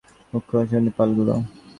মূখ্য ও সম্মুখভাগের পালগুলো।